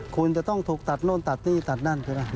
คุณจะต้องถูกตัดโน่นตัดนี่ตัดนั่นใช่ไหม